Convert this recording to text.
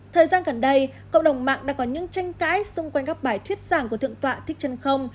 thời gian gần đây cộng đồng mạng đã có những tranh cãi xung quanh các bài thuyết giảng của thượng tọa thích chân không